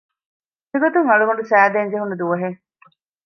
މިގޮތުން އަޅުގަނޑު ސައިދޭންޖެހުނު ދުވަހެއް